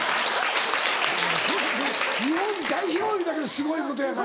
日本代表いうだけですごいことやからな。